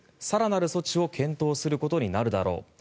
更なる措置を検討することになるだろう。